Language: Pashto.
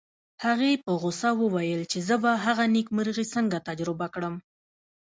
هغې په غوسه وویل چې زه به هغه نېکمرغي څنګه تجربه کړم